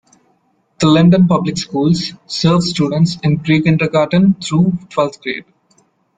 The Linden Public Schools serve students in pre-kindergarten through twelfth grade.